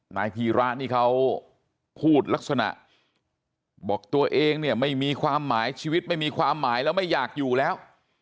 นายพีระนี่เขาพูดลักษณะบอกตัวเองเนี่ยไม่มีความหมายชีวิตไม่มีความหมายแล้วไม่อยากอยู่แล้ว